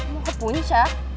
mau ke puncak